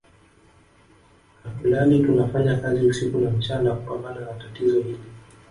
Hatulali tunafanya kazi usiku na mchana kupambana na tatizo hili